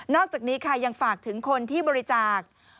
อกจากนี้ค่ะยังฝากถึงคนที่บริจาค